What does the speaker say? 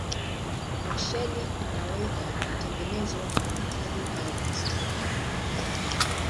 Washeli kwa kawaida hutengenezwa kwa metali au plastiki.